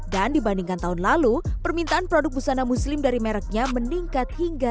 dan dibandingkan tahun lalu permintaan produk busana muslim dari mereknya meningkat hingga